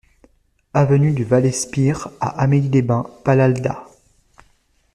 Avenue du Vallespir à Amélie-les-Bains-Palalda